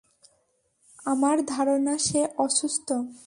আমার ধারণা সে অসুস্থ।